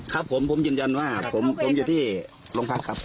ครับผมผมยืนยันว่าผมอยู่ที่โรงพักครับ